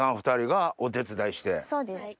そうです。